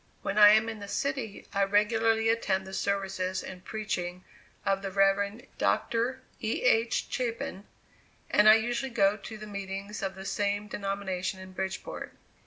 When I am in the city, I regularly attend the services and preaching of the Rev. Dr. E. H. Chapin, and I usually go to the meetings of the same denomination in Bridgeport.